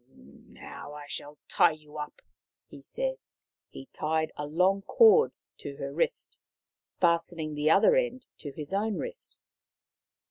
" Now I shall tie you up," he said. He tied a long cord to her wrist, fastening the other end to his own wrist.